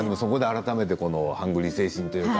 改めて、そこでハングリー精神というか。